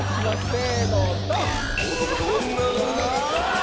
せぇのドン！